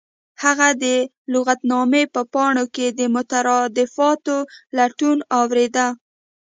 هغه د لغتنامې په پاڼو کې د مترادفاتو لټون اوریده